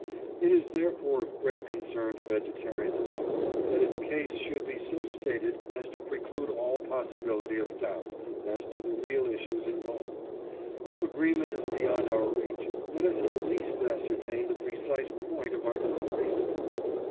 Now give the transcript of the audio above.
It is therefore of great concern to vegetarianism that its case should be so stated as to preclude all possibility of doubt as to the real issues involved. If agreement is beyond our reach, let us at least ascertain the precise point of our disagreement.